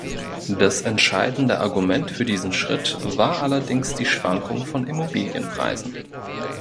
Das entscheidende Argument für diesen Schritt war allerdings die Schwankung von Immobilienpreisen.